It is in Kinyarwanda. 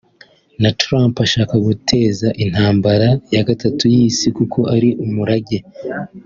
na Trump ashaka guteza intambara ya gatatu y’Isi kuko ari umurage